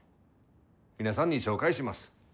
皆さんに紹介します。